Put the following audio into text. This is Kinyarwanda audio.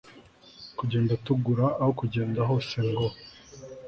kugenda tugura aho tugenda hose ngo